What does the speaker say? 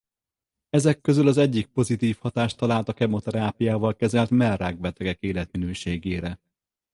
Ezek közül az egyik pozitív hatást talált a kemoterápiával kezelt mellrák-betegek életminőségére.